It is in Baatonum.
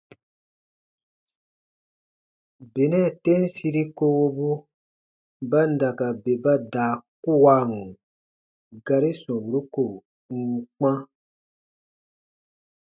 Benɛ tem siri kowobu ba n da ka bè ba daa kuwan gari sɔmburu ko n n kpã.